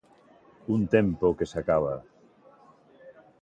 Un tempo que se acaba.